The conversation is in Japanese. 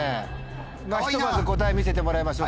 ひとまず答え見せてもらいましょう。